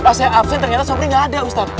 pas saya absen ternyata sobri gak ada ustadz